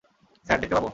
Sir, দেখতে পাব?